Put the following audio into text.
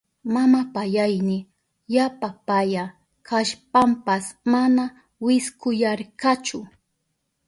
Mama payayni yapa paya kashpanpas mana wiskuyarkachu.